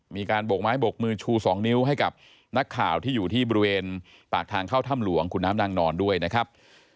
มีการบกไม้บกมือชู๒นิ้วให้กับนักข่าวที่อยู่ที่บริเวณปากทางเข้าถ้ำหลวงขุนน้ำนางนอนด้วยนะครับ